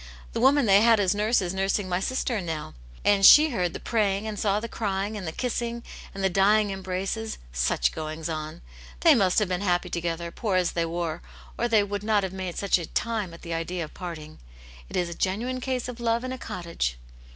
The woman they had as nurse is nursing my sister now, and she heard the praying, and saw the crying and the kissing, and the dying embraces ; such goings on ! They must have been happy together, poor as they were, or they would not have made such a time at the idea of parting. It is a genuine case of love in a cottage."